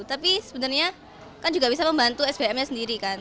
tapi sebenarnya kan juga bisa membantu sbm nya sendiri kan